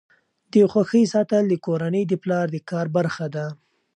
د خوښۍ ساتل د کورنۍ د پلار د کار برخه ده.